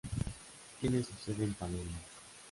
Tiene su sede en Palermo.